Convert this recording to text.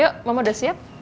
yuk mama udah siap